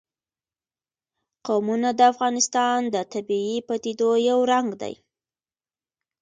قومونه د افغانستان د طبیعي پدیدو یو رنګ دی.